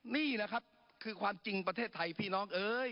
นี่แหละครับคือความจริงประเทศไทยพี่น้องเอ้ย